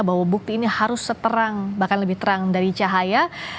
bahwa bukti ini harus seterang bahkan lebih terang dari cahaya